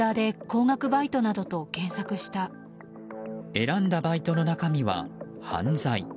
選んだバイトの中身は犯罪。